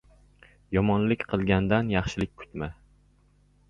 • Yomonlik qilgandan yaxshilik kutma.